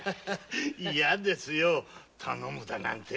いやですよ頼むなんて。